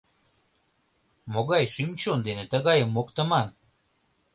Могай шӱм-чон дене тыгайым моктыман?